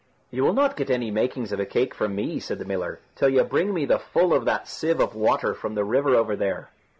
"You will not get any makings of a cake from me," said the miller, "till you bring me the full of that sieve of water from the river over there."